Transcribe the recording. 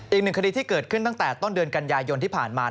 อีกหนึ่งคดีที่เกิดขึ้นตั้งแต่ต้นเดือนกันยายนที่ผ่านมา